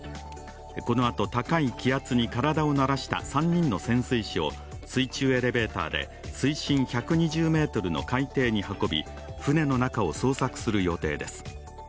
このあと、高い気圧に体を慣らした３人の潜水士を水中エレベーターで水深１２０ｍの海底に運び船の中を捜索する予定です。